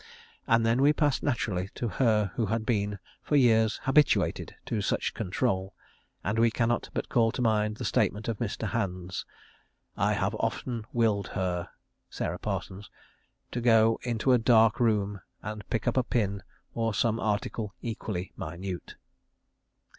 And then we pass naturally to her who had been for years habituated to such control, and we cannot but call to mind the statement of Mr. Hands "I have often willed her (S. Parsons) to go into a dark room and pick up a pin, or some article equally minute."